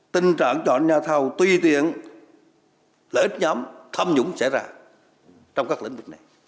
tình trạng chọn nhà thầu tuy tiện lợi ích nhóm tham nhũng sẽ ra trong các lĩnh vực này